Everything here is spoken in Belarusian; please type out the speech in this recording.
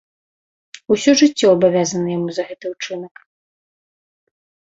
Усё жыццё абавязаны яму за гэты ўчынак.